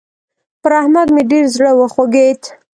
پر احمد مې ډېر زړه وخوږېد.